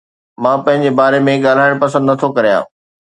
مان پنهنجي باري ۾ ڳالهائڻ پسند نٿو ڪريان